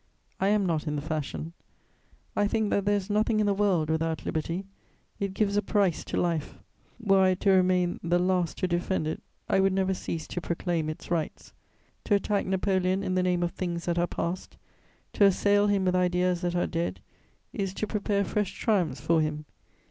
I am not in the fashion: I think that there is nothing in the world without liberty; it gives a price to life; were I to remain the last to defend it, I would never cease to proclaim its rights. To attack Napoleon in the name of things that are past, to assail him with ideas that are dead is to prepare fresh triumphs for him.